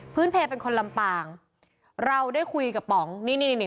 เพลเป็นคนลำปางเราได้คุยกับป๋องนี่นี่นี่